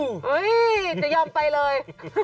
เฮ้ยจะยอมไปเลย